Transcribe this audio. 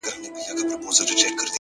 له مانه زړه مه وړه له ما سره خبرې وکړه’